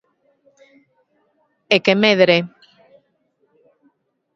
E que medre.